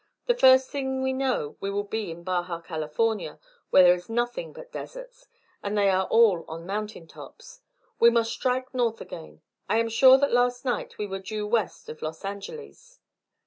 The first thing we know we will be in Baja California, where there is nothing but deserts, and they are all on mountain tops. We must strike north again. I am sure that last night we were due west of Los Angeles."